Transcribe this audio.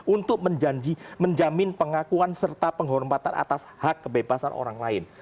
untuk menjanji menjamin pengakuan serta penghormatan atas hak kebebasan orang lain